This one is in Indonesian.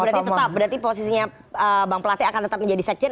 berarti tetap berarti posisinya bang plate akan tetap menjadi sekjen